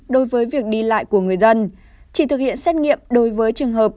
đối với việc đi lại của người dân chỉ thực hiện xét nghiệm đối với trường hợp